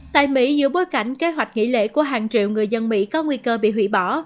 tại mỹ giữa bối cảnh kế hoạch nghỉ lễ của hàng triệu người dân mỹ có nguy cơ bị hủy bỏ